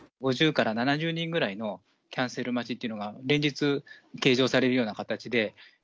５０から７０人ぐらいのキャンセル待ちってのが連日計上されるような形で。